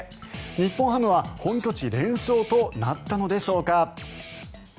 日本ハムは本拠地連勝となったのでしょうか。